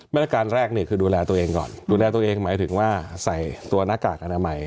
มาตรการแรกนี่คือดูแลตัวเองก่อนดูแลตัวเองหมายถึงว่าใส่ตัวหน้ากากอนามัย